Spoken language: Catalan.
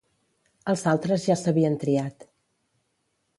Els altres ja s'havien triat.